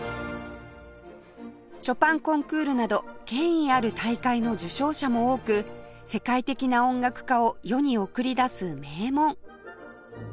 ショパンコンクールなど権威ある大会の受賞者も多く世界的な音楽家を世に送り出す名門